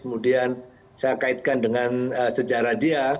kemudian saya kaitkan dengan sejarah dia